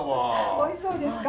おいしそうですか？